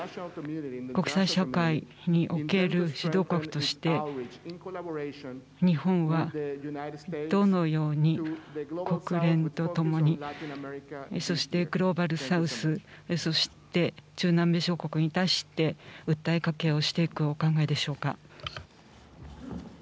国際社会における指導国として日本はどのように国連とともにそして、グローバルサウスそして中南米諸国に対して訴えかけをしていくお考えでしょうか。